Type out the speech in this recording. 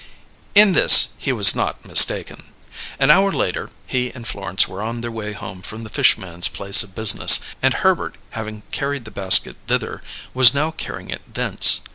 In this he was not mistaken. An hour later he and Florence were on their way home from the fish man's place of business, and Herbert, having carried the basket thither, was now carrying it thence.